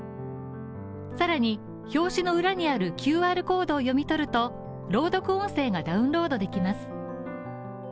更に、表紙の裏にあるＱＲコードを読み取ると朗読音声がダウンロードできます。